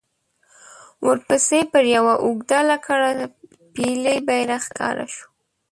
ورپسې پر يوه اوږده لکړه پېيلی بيرغ ښکاره شو.